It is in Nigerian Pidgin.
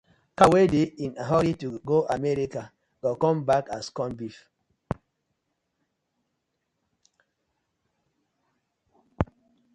Cow wey dey in a hurry to go America go come back as corn beef: